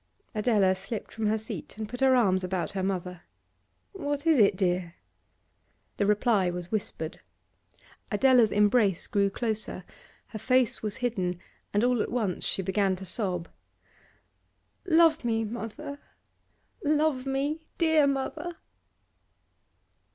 Adela slipped from her seat and put her arms about her mother. 'What is it, dear?' The reply was whispered. Adela's embrace grew closer; her face was hidden, and all at once she began to sob. 'Love me, mother! Love me, dear mother!